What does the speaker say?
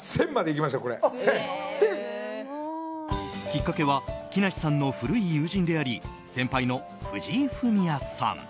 きっかけは木梨さんの古い友人であり先輩の藤井フミヤさん。